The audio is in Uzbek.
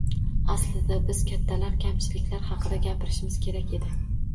– Aslida biz kattalar kamchiliklar haqida gapirishimiz kerak edi.